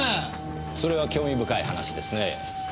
それは興味深い話ですねぇ。